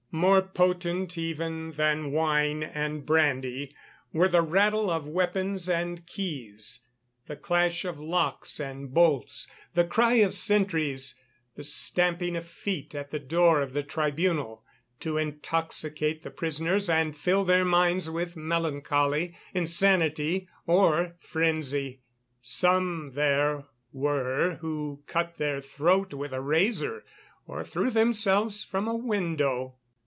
More potent, even, than wine and brandy were the rattle of weapons and keys, the clash of locks and bolts, the cry of sentries, the stamping of feet at the door of the Tribunal, to intoxicate the prisoners and fill their minds with melancholy, insanity, or frenzy. Some there were who cut their throat with a razor or threw themselves from a window.